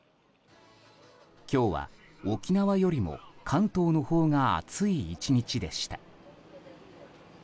今日は沖縄よりも関東のほうが暑い１日でした。